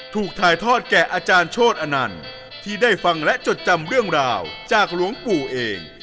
ถูกถ่ายทอดแก่อาจารย์โชธอนันต์ที่ได้ฟังและจดจำเรื่องราวจากหลวงปู่เอง